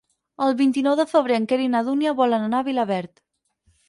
El vint-i-nou de febrer en Quer i na Dúnia volen anar a Vilaverd.